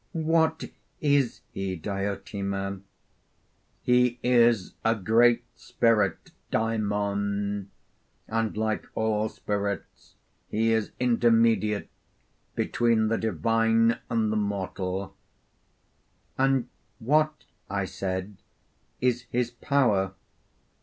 'What is he, Diotima?' 'He is a great spirit (daimon), and like all spirits he is intermediate between the divine and the mortal.' 'And what,' I said, 'is his power?'